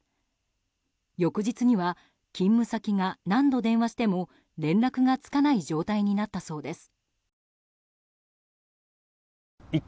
翌日には勤務先が何度、電話しても連絡がつかない状態になったそうです。